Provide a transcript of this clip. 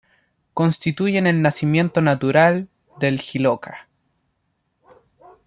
Constituyen el nacimiento natural del Jiloca.